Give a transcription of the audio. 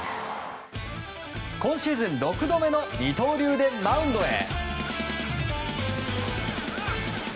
今シーズン６度目の二刀流でマウンドへ。